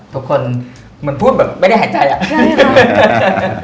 ทุกคนเหมือนพูดแบบไม่ได้หายใจอะ